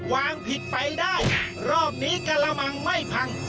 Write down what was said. วางผิดไปได้รอบนี้กระมังไม่พัง